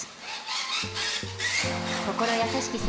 心優しき